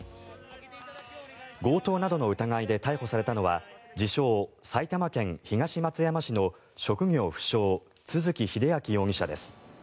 強盗などの疑いで逮捕されたのは自称・埼玉県東松山市の職業不詳都築英明容疑者です。